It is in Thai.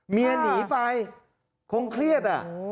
เมียหนีไปคงเครียด